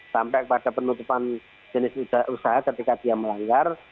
sampai kepada penutupan jenis usaha ketika dia melanggar